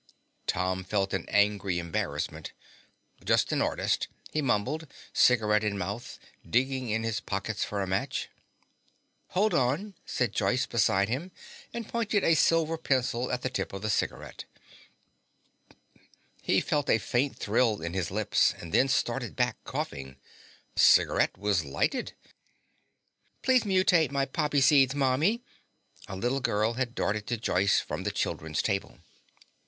Tom felt an angry embarrassment. "Just an artist," he mumbled, cigaret in mouth, digging in his pockets for a match. "Hold on," said Joyce beside him and pointed a silver pencil at the tip of the cigaret. He felt a faint thrill in his lips and then started back, coughing. The cigaret was lighted. "Please mutate my poppy seeds, Mommy." A little girl had darted to Joyce from the children's table.